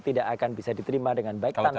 tidak akan bisa diterima dengan baik tanpa